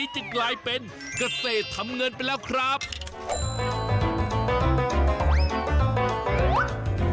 โดยรับทราบราคาแพ็คละส่งขายในราคาแพ็คละ๑๐๐๒๐๐บาทกับตลาดใกล้บาท